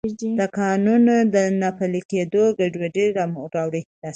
د قانون نه پلی کیدل ګډوډي راوړي.